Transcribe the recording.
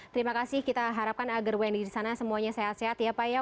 terima kasih kita harapkan agar semua yang di sana sehat sehat ya pak ya